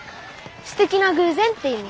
すてきな偶然って意味。